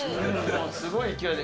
すごい勢いで。